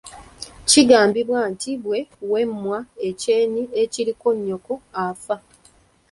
Kigambibwa nti bwe weemwa ekyenyi ekiro nnyoko afa.